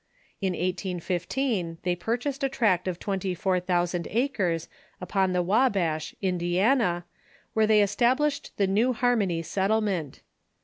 In 1815 they purchased a tract of twenty four thousand acres upon the Wabash, Indiana, where they established the Xew Harmony settlement.